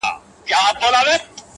جانانه ستا د يادولو کيسه ختمه نه ده-